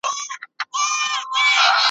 عطر نه لري په ځان کي ستا له څنګه ټوله مړه دي `